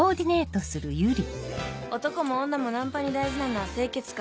男も女もナンパに大事なのは清潔感。